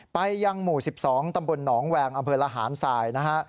ไปยังหมู่๑๒ตำบลหนองแวงอำเภอระหารสายนะฮะ